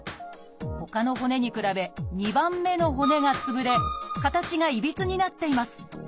ほかの骨に比べ２番目の骨がつぶれ形がいびつになっています。